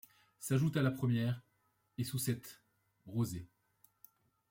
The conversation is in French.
S’ajoute à la première ; et ; sous cette : rosée